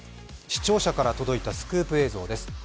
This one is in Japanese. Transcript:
視聴者から届いたスクープ映像です。